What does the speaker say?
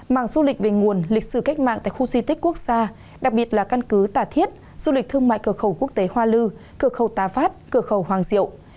mảng du lịch về nguồn lịch sử cách mạng tại khu di tích quốc gia đặc biệt là căn cứ tà thiết du lịch thương mại cửa khẩu quốc tế hoa lư cửa khẩu tà phát cửa khẩu hoàng diệu